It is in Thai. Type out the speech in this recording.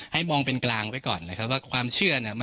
ให้มองเป็นกลางไว้ก่อนนะครับว่าความเชื่อเนี่ย